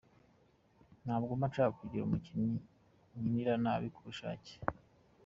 "Ntabwo mba nshaka kugira umukinnyi nkinira nabi ku bushake.